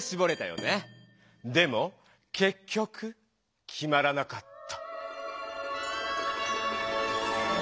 でもけっきょくきまらなかった。